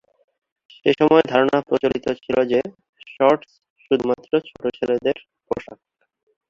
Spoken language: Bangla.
সেসময় ধারণা প্রচলিত ছিলো যে, শর্টস শুধুমাত্র ছোট ছেলেদের পোশাক।